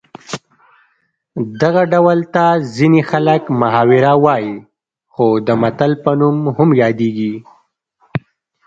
دغه ډول ته ځینې خلک محاوره وايي خو د متل په نوم هم یادیږي